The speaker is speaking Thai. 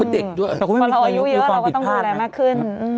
แต่พอเราอายุเยอะเราก็ต้องดูอะไรมากขึ้น